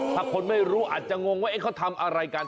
ถ้าคนไม่รู้อาจจะงงว่าเขาทำอะไรกัน